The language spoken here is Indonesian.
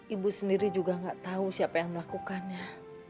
ibu sendiri juga nggak tahu siapa yang melakukannya